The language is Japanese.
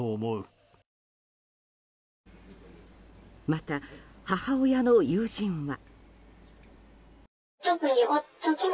また、母親の友人は。